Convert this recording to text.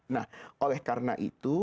nah oleh karena itu